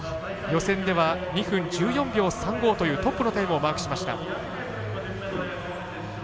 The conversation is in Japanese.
予選では２分１４秒３５というトップのタイムをマークしました。